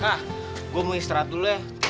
nah gue mau istirahat dulu ya